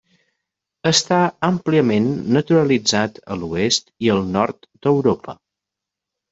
Està àmpliament naturalitzat a l'oest i el nord d'Europa.